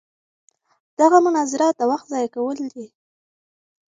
دغه مناظره د وخت ضایع کول دي.